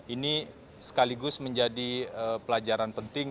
ini sekaligus menjadi pelajaran penting